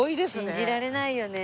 信じられないよね。